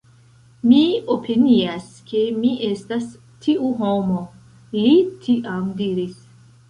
Mi opinias ke mi estas tiu homo, li tiam diris.